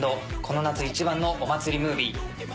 この夏一番のお祭りムービー。